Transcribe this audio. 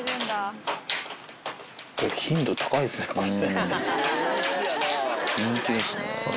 頻度、高いっすね、これ。